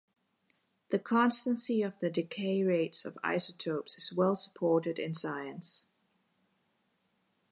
The constancy of the decay rates of isotopes is well supported in science.